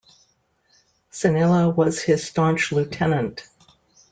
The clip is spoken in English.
Sanila was his staunch lieutenant.